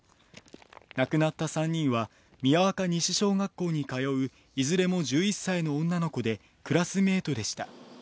亡くなった３人は、宮若西小学校に通ういずれも１１歳の女の子でクラスメートでした。